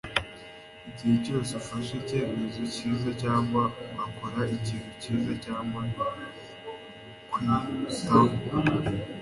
Igihe cyose ufashe icyemezo cyiza cyangwa ugakora ikintu cyiza cyangwa kwiyitaho;